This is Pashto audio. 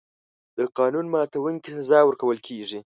د قانون ماتونکي سزا ورکول کېږي.